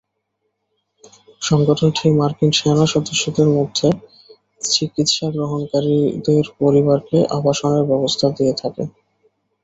সংগঠনটি মার্কিন সেনা সদস্যদের মধ্যে চিকিৎসা গ্রহণকারীদের পরিবারকে আবাসনের ব্যবস্থা দিয়ে থাকে।